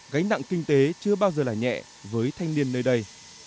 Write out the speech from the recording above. gánh nặng kinh tế chưa bao giờ là nhẹ với thanh niên nơi đây